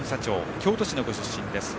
京都市のご出身です。